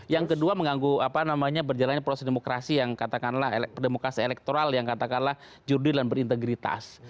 yang kedua mengganggu apa namanya berjalannya proses demokrasi yang katakanlah demokrasi elektoral yang katakanlah jurdil dan berintegritas